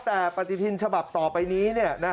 แต่ปฏิทินฉบับต่อไปนี้